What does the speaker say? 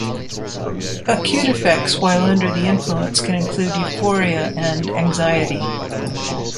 Acute effects while under the influence can include euphoria and anxiety.